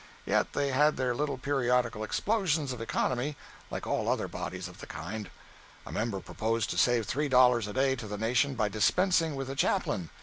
Yet they had their little periodical explosions of economy like all other bodies of the kind. A member proposed to save three dollars a day to the nation by dispensing with the Chaplain.